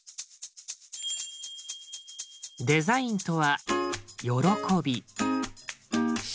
デザインとは「喜び」。